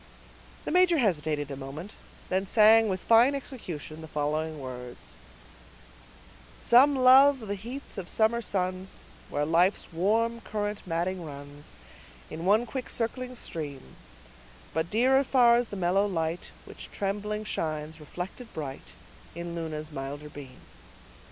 The major hesitated a moment, and then sang, with fine execution, the following words:— Some love the heats of southern suns, Where's life's warm current maddening runs, In one quick circling stream; But dearer far's the mellow light Which trembling shines, reflected bright In Luna's milder beam.